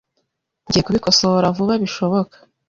Ngiye kubikosora vuba bishoboka.